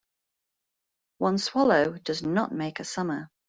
One swallow does not make a summer.